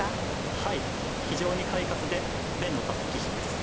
はい非常に快活で弁の立つ棋士です。